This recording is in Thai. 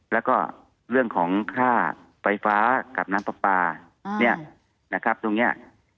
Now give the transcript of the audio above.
แล้วก็เรื่องของค่าไฟฟ้ากับน้ำปลาปลาเนี่ยนะครับตรงนี้